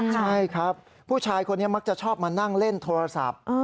ใช่ครับผู้ชายคนนี้มักจะชอบมานั่งเล่นโทรศัพท์